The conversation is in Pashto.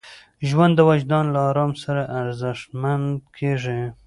ژوند د وجدان له ارام سره ارزښتمن کېږي.